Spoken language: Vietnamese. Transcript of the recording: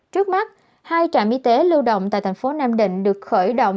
trước mắt hai trạm y tế lưu động tại thành phố nam định được khởi động